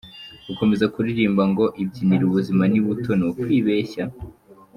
Gukomeza kuririmba ngo ibyinire ubuzima ni buto ni ukwibeshya.